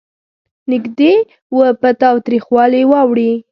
نېږدې و په تاوتریخوالي واوړي.